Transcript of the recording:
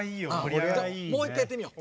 もう１かいやってみよう。